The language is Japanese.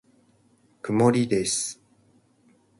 曇りです。